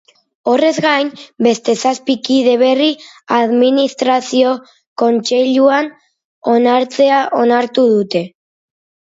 Horrez gain, beste zazpi kide berri administrazio kontseiluan onartzea onartu dute.